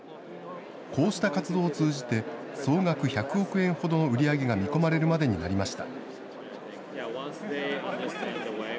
こうした活動を通じて、総額１００億円ほどの売り上げが見込まれるまでになりました。